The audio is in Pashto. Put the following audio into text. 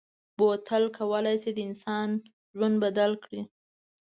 بوتل کولای شي د انسان ژوند بدل کړي.